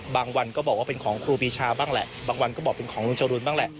วันก็บอกว่าเป็นของครูปีชาบ้างแหละบางวันก็บอกเป็นของลุงจรูนบ้างแหละ